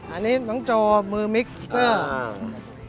อันนี้น้องโจมือมิกเซอร์